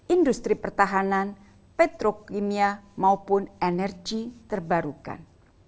industri pertahanan petrokimia maupun energi terbarukan